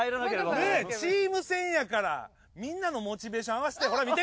ねっチーム戦やからみんなのモチベーション合わせて。